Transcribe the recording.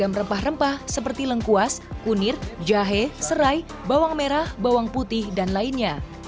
beragam rempah rempah seperti lengkuas unir jahe serai bawang merah bawang putih dan lainnya